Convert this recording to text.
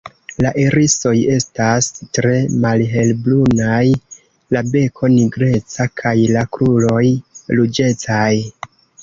La irisoj estas tre malhelbrunaj, la beko nigreca kaj la kruroj ruĝecaj.